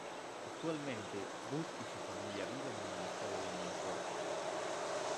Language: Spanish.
Actualmente, Boot y su familia viven en el estado de Nueva York.